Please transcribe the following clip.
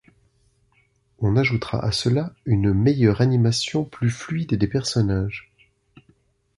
On ajoutera à cela, une meilleure animation plus fluide des personnages.